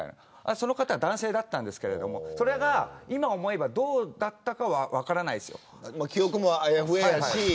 その方は男性だったんですけど今、思えばどうだったか分からないですよ。